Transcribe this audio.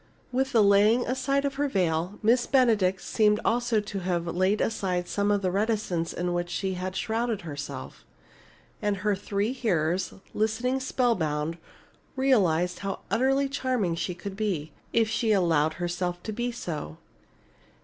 With the laying aside of her veil, Miss Benedict seemed also to have laid aside some of the reticence in which she had shrouded herself. And her three hearers, listening spellbound, realized how utterly charming she could be if she allowed herself to be so.